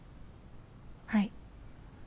はい。